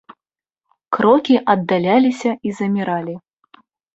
Крокі аддаляліся і заміралі.